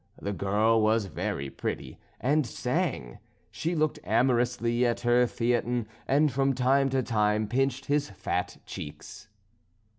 The girl was very pretty, and sang; she looked amorously at her Theatin, and from time to time pinched his fat cheeks.